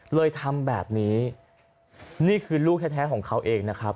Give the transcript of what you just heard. เลยทำแบบนี้นี่คือลูกแท้ของเขาเองนะครับ